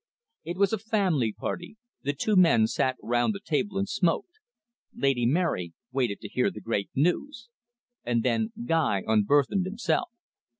It was a family party, the two men sat round the table and smoked. Lady Mary waited to hear the great news. And then Guy unburthened himself.